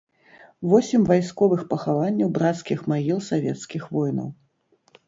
Восем вайсковых пахаванняў брацкіх магіл савецкіх воінаў.